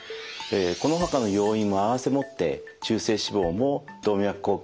このほかの要因も併せ持って中性脂肪も動脈硬化を悪化させます。